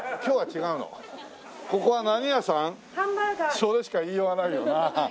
それしか言いようがないよな。